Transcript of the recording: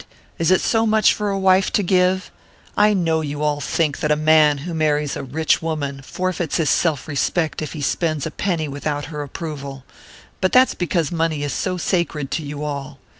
Is it so much for a wife to give? I know you all think that a man who marries a rich woman forfeits his self respect if he spends a penny without her approval. But that's because money is so sacred to you all!